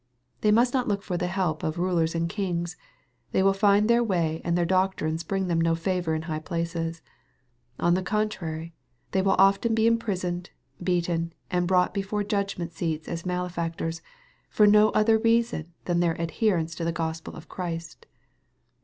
They must not look for the help of " rulers and kings." They will find their ways and their doctrines bring them no favor in high places. On the contrary, they will often be imprisoned, beaten, and brought before judgment seats as malefactors, for no other reason than their ad herence to the Gospel of Christ.